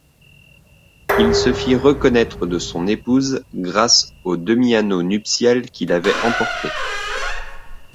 Il se fit reconnaitre de son épouse grâce au demi-anneau nuptial qu'il avait emporté.